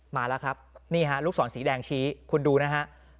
มาแล้วครับนี่ฮะลูกศรสีแดงชี้คุณดูนะฮะ